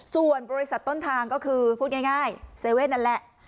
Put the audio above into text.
ส่วนบริษัทต้นทางก็คือพูดง่ายง่ายเซเว่นนั่นแหละ